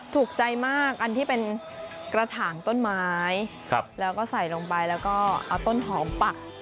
ถูกใจมากอันที่เป็นกระถางต้นไม้แล้วก็ใส่ลงไปแล้วก็เอาต้นหอมปัก